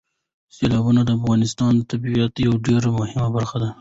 سیلابونه د افغانستان د طبیعت یوه ډېره مهمه برخه ده.